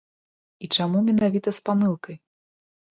І чаму менавіта з памылкай?